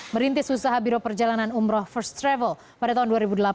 merintis usaha biro perjalanan umroh first travel pada tahun dua ribu delapan